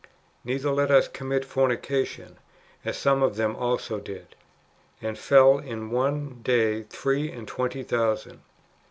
Neither let us commit fornication, as some of them also did, and fell in one day three and twenty thousand.